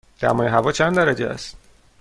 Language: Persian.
دمای هوا چند درجه است؟